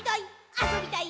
あそびたい！」